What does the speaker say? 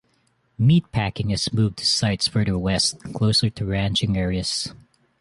Meatpacking has moved to sites further west, closer to ranching areas.